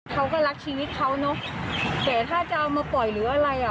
เขาก็รักชีวิตเขาเนอะแต่ถ้าจะเอามาปล่อยหรืออะไรอ่ะ